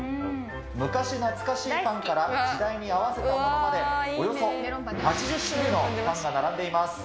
昔懐かしいパンから、時代に合わせたものまで、およそ８０種類のパンが並んでいます。